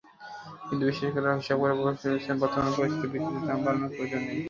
কিন্তু বিশেষজ্ঞরা হিসাব কষে বলছেন, বর্তমান পরিস্থিতিতে বিদ্যুতের দাম বাড়ানোর প্রয়োজন নেই।